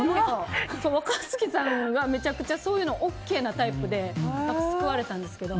若槻さんがめちゃくちゃそういうのＯＫなタイプで救われたんですけど。